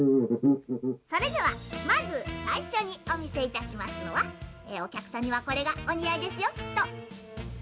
それではまずさいしょにおみせいたしますのはおきゃくさんにはこれがおにあいですよきっと」。